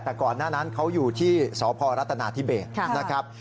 แต่ก่อนหน้านั้นเขาอยู่ที่สพรัฐนาธิเบสนะครับ